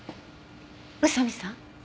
宇佐見さん？